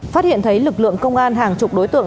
phát hiện thấy lực lượng công an hàng chục đối tượng